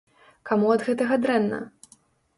Каму ад гэтага дрэнна?